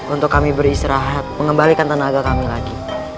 untuk kami beristirahat mengembalikan tenaga kami lagi